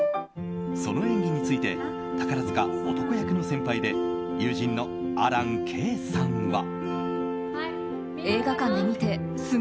その演技について宝塚男役の先輩で友人の安蘭けいさんは。